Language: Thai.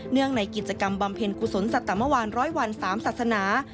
เนื่องในกิจกรรมบำเพ็ญกุศลสัตว์เมื่อวานร้อยวัน๓ศาสนา